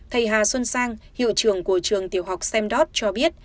thầy hà xuân sang hiệu trường của trường tiểu học semdot cho biết